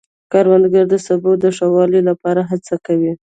کروندګر د سبو د ښه والي لپاره هڅې کوي